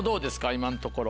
今のところ。